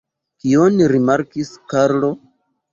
Kion rimarkis Karlo?